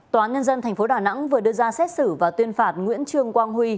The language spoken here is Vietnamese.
tòa án nhân dân tp đà nẵng vừa đưa ra xét xử và tuyên phạt nguyễn trương quang huy